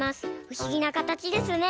ふしぎなかたちですね。